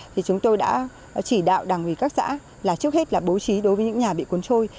thì chúng tôi đã chỉ đạo đảng ủy các xã là trước hết là bố trí đối với những nhà bị cuốn trôi